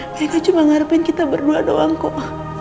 mereka cuma mengharapin kita berdua doang kok